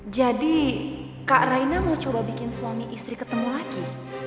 jadi kak raina mau coba bikin suami istri ketemu lagi